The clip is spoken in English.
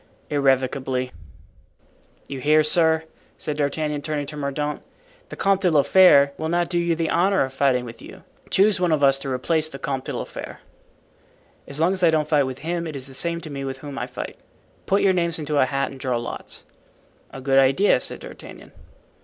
"Irrevocably." "You hear, sir," said D'Artagnan, turning to Mordaunt. "The Comte de la Fere will not do you the honor of fighting with you. Choose one of us to replace the Comte de la Fere." "As long as I don't fight with him it is the same to me with whom I fight. Put your names into a hat and draw lots." "A good idea," said D'Artagnan.